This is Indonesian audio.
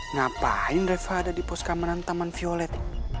ngapain reva ada di poskamanan taman violet